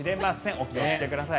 お気をつけください。